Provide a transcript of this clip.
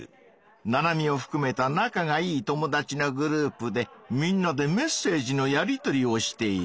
ナナミをふくめた仲がいい友達のグループでみんなでメッセージのやり取りをしている。